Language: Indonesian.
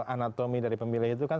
anatomi dari pemilih itu kan